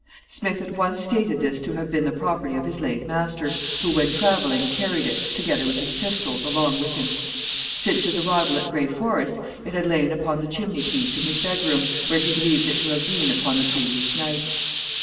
Smith at once stated this to have been the property of his late master, who, when traveling, carried it, together with his pistols, along with him. Since his arrival at Gray Forest, it had lain upon the chimney piece in his bedroom, where he believed it to have been upon the previous night.